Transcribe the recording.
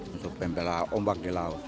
untuk pembela ombak di laut